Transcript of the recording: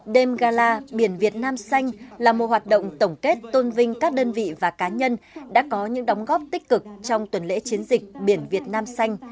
đêm gala biển việt nam xanh là một hoạt động tổng kết tôn vinh các đơn vị và cá nhân đã có những đóng góp tích cực trong tuần lễ chiến dịch biển việt nam xanh